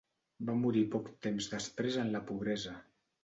Va morir poc temps després en la pobresa.